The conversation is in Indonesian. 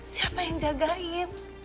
siapa yang jagain